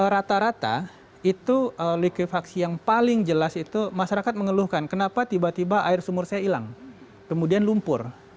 rata rata itu likuifaksi yang paling jelas itu masyarakat mengeluhkan kenapa tiba tiba air sumur saya hilang kemudian lumpur